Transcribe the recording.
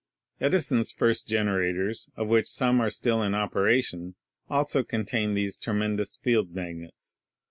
Edi son's first generators, of which some are still in opera tion, also contain these tremendous field magnets.